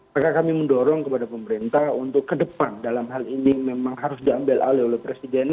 maka kami mendorong kepada pemerintah untuk ke depan dalam hal ini memang harus diambil alih oleh presiden